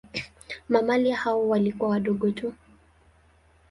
Mamalia hao walikuwa wadogo tu.